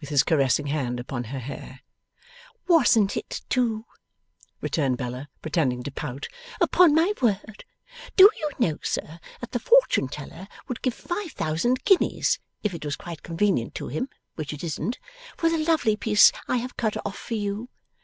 with his caressing hand upon her hair. 'Wasn't it, too!' returned Bella, pretending to pout. 'Upon my word! Do you know, sir, that the Fortune teller would give five thousand guineas (if it was quite convenient to him, which it isn't) for the lovely piece I have cut off for you?